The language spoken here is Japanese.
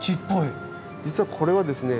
実はこれはですね